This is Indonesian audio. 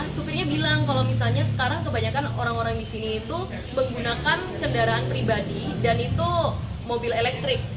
supirnya bilang kalau misalnya sekarang kebanyakan orang orang di sini itu menggunakan kendaraan pribadi dan itu mobil elektrik